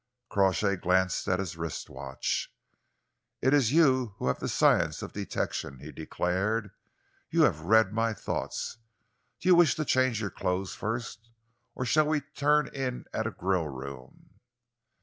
Crawshay glanced at his wrist watch. "It is you who have the science of detection," he declared. "You have read my thoughts. Do you wish to change your clothes first, or shall we turn in at a grill room?"